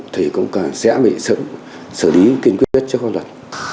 thì cũng sẽ bị xử lý kiên quyết cho con luật